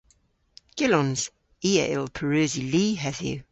Gyllons. I a yll pareusi li hedhyw.